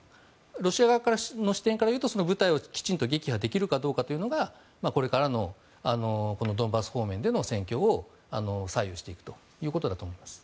ロシア側の視点からいうとその部隊を撃破できるというのがこれからのドンバス方面での戦況を左右していくということだと思います。